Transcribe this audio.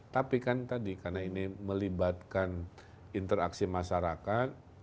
tapi kan tadi karena ini melibatkan interaksi masyarakat